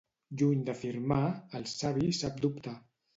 Lluny d'afirmar, el savi sap dubtar.